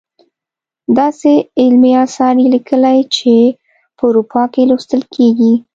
داسې علمي اثار یې لیکلي چې په اروپا کې لوستل کیږي.